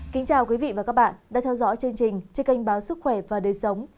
kính chào quý vị và các bạn đang theo dõi chương trình trên kênh báo sức khỏe và đời sống